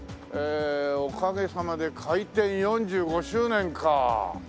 「おかげさまで開店４５周年」か。